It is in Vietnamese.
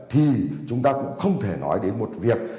thì chúng ta cũng không thể nói đến một việc